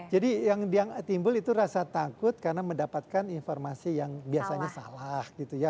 jadi yang timbul itu rasa takut karena mendapatkan informasi yang biasanya salah